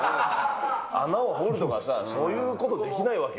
穴を掘るとかさ、そういうことできないわけ？